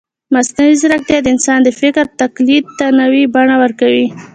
مصنوعي ځیرکتیا د انسان د فکر تقلید ته نوې بڼه ورکوي.